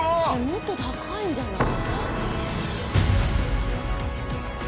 もっと高いんじゃない？